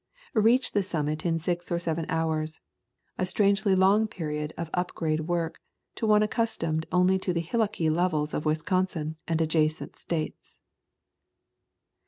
Reached the summit in six or seven hours —a strangely long period of up grade work to one accustomed only to the hillocky levels of Wisconsin and adjacent States.